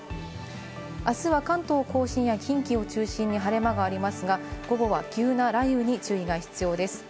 あすは関東甲信や近畿を中心に晴れ間がありますが、午後は急な雷雨に注意が必要です。